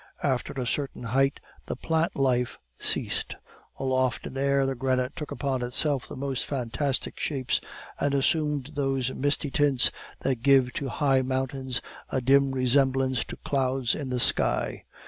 After a certain height the plant life ceased. Aloft in air the granite took upon itself the most fantastic shapes, and assumed those misty tints that give to high mountains a dim resemblance to clouds in the sky.